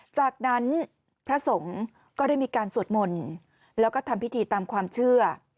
จากนั้นพระสงฆ์ก็ได้มีการสวดมนต์แล้วก็ทำพิธีตามความเชื่อ